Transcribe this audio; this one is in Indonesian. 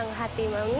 kembali turun dulu